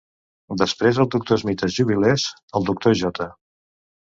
Després el doctor Smith es jubilés, el doctor J.